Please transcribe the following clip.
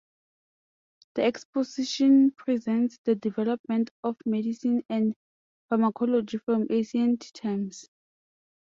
The exposition presents the development of medicine and pharmacology from ancient times.